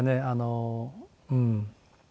うん。